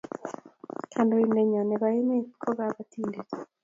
Kandoinenyo nebo emet ko kabatindet